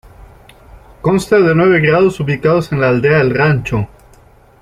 Consta de nueve grados.ubicado en la aldea El Rancho.